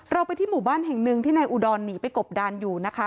เราไปที่หมู่บ้านแห่งหนึ่งที่นายอุดรหนีไปกบดานอยู่นะคะ